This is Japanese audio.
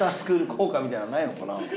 校歌みたいなのないのかな？